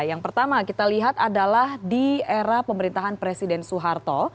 yang pertama kita lihat adalah di era pemerintahan presiden soeharto